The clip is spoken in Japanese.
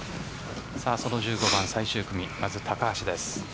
その１５番最終組まず高橋です。